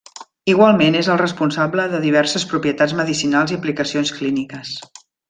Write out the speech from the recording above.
Igualment és el responsable de diverses propietats medicinals i aplicacions clíniques.